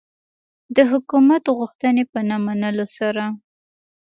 د حکومت غوښتنې په نه منلو سره.